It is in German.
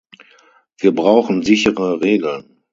Wir brauchen sichere Regeln.